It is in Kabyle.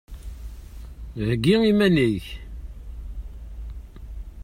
Heyyi iman-ik!